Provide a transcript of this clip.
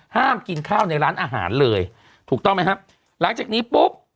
ห้ามกินข้าวในร้านอาหารเลยถูกต้องไหมครับหลังจากนี้ปุ๊บ